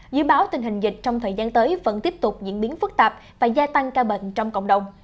dự báo tình hình dịch trong thời gian tới vẫn tiếp tục diễn biến phức tạp và gia tăng ca bệnh trong cộng đồng